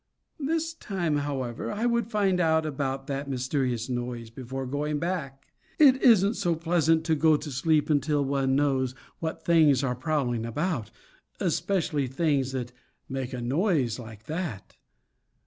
This time, however, I would find out about that mysterious noise before going back. It isn't so pleasant to go to sleep until one knows what things are prowling about, especially things that make a noise like that.